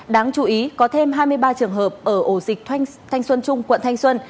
đáng chú ý có thêm hai mươi ba trường hợp ở ổ dịch thanh xuân trung quận thanh xuân